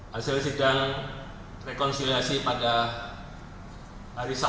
hasil sidang rekonsiliasi pada hari sabtu